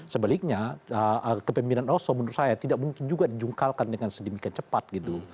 sebaliknya kepemimpinan oso menurut saya tidak mungkin juga dijungkalkan dengan sedemikian cepat gitu